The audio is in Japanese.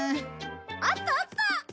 あったあった！